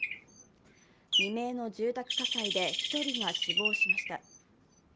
未明の住宅火災で１人が死亡しました。